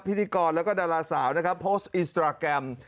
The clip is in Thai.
พิธีกรแล้วก็ดาราสาวนะครับโพสต์อินสตราแกรม